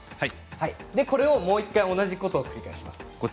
これをもう１回同じことを繰り返します。